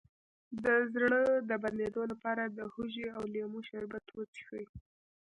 د زړه د بندیدو لپاره د هوږې او لیمو شربت وڅښئ